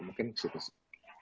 mungkin di situ sih